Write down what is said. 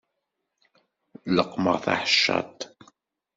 Leqqmeɣ taḥeccaḍt.